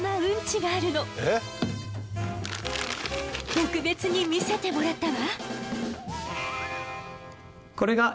特別に見せてもらったわ。